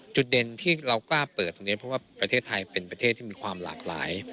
จุดเด่นที่เรากล้าเปิดตรงนี้เพราะว่าประเทศไทยเป็นประเทศที่มีความหลากหลาย